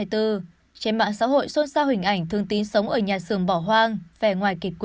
trên mạng xã hội xôn xao hình ảnh thương tín sống ở nhà sườn bỏ hoang